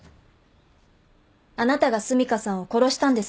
あなたが澄香さんを殺したんですよね。